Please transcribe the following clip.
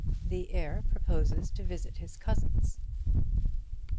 THE HEIR PROPOSES TO VISIT HIS COUSINS.